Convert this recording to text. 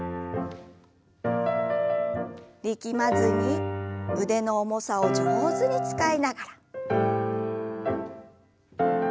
力まずに腕の重さを上手に使いながら。